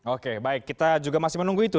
oke baik kita juga masih menunggu itu